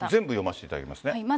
全部読ませていただきますね。